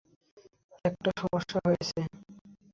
একটা সমস্যা হয়েছে।